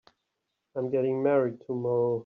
I'm getting married tomorrow.